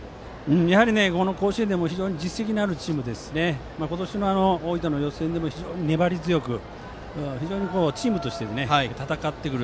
やはり甲子園でも実績のあるチームですし今年の大分の予選でも非常に粘り強く非常にチームとして戦ってくる。